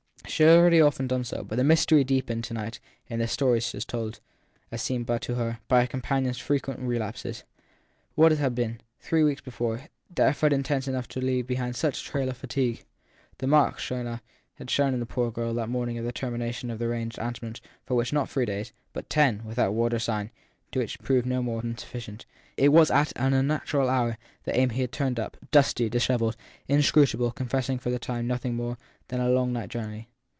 She had already often done so, but the mystery deepened to night in the story told, as it seemed to her by her companion s frequent relapses. What had been, three weeks before, the effort intense enough to leave behind such a trail of fatigue ? The marks, sure enough, had shown in the poor girl that morning of the termination of the arranged absence for which not three days, but ten, without word or sign, were to prove no more than sufficient. It was at an unnatural hour that Amy had turned up, dusty, dishevelled, inscrutable, confessing for the time to nothing more than a long night journey.